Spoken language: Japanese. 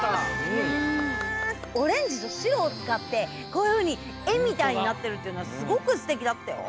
オレンジとしろをつかってこういうふうにえみたいになってるっていうのがすごくすてきだったよ。